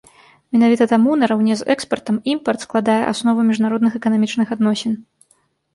Менавіта таму, нараўне з экспартам, імпарт складае аснову міжнародных эканамічных адносін.